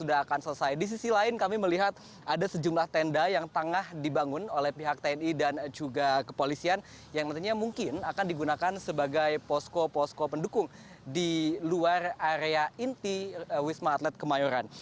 sudah akan selesai di sisi lain kami melihat ada sejumlah tenda yang tengah dibangun oleh pihak tni dan juga kepolisian yang nantinya mungkin akan digunakan sebagai posko posko pendukung di luar area inti wisma atlet kemayoran